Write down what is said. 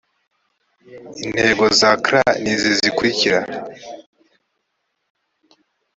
intego za cla n izi zikurikira